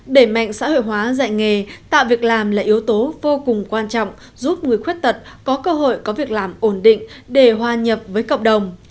để mạnh xã hội hóa dạy nghề tạo việc làm là yếu tố vô cùng quan trọng giúp người khuyết tật có cơ hội có việc làm ổn định để hoa nhập với cộng đồng